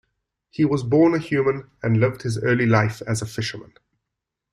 He was born a human and lived his early life as a fisherman.